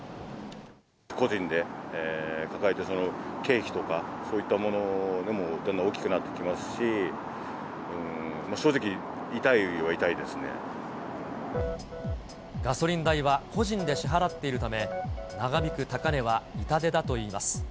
個人で抱えて、経費とかそういったものも大きくなってきますし、正直、ガソリン代は個人で支払っているため、長引く高値は痛手だといいます。